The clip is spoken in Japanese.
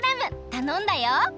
たのんだよ。